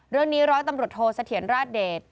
เรื่องนี้ร้อยตำรวจโทษเสถียรราชเดช